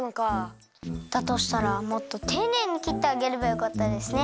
だとしたらもっとていねいにきってあげればよかったですね。